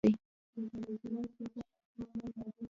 متلونه د ژوند د عملي فلسفې شعر دي